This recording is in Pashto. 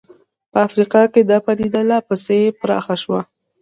په افریقا کې دا پدیده لا پسې پراخه شوه.